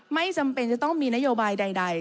ไม่จำเป็นจะต้องมีนโยบายใด